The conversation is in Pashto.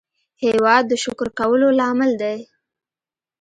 هېواد د شکر کولو لامل دی.